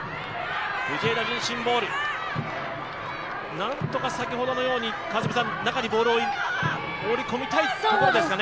何とか先ほどのように中にボールを放り込みたいところですかね。